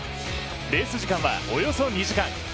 レース時間はおよそ２時間。